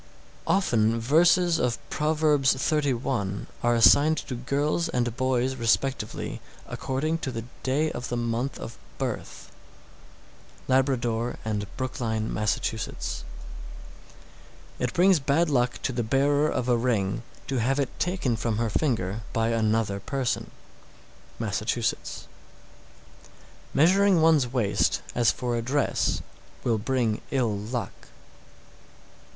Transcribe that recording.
695. Often verses of Proverbs xxxi. are assigned to girls and boys respectively according to the day of the month of the birth. Labrador and Brookline, Mass. 696. It brings bad luck to the bearer of a ring to have it taken from her finger by another person. Massachusetts. 697. Measuring one's waist, as for a dress, will bring ill luck.